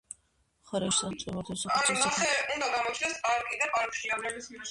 მხარეში სახელმწიფო მმართველობას ახორციელებს საქართველოს პრეზიდენტის მიერ დანიშნული სახელმწიფო რწმუნებული-გუბერნატორი.